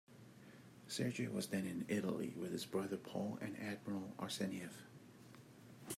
Sergei was then in Italy with his brother Paul and Admiral Arseniev.